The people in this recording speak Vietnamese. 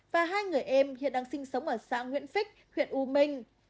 và hai người em hiện đang sinh sống ở xã nguyễn phích huyện u minh